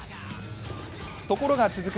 ところが続く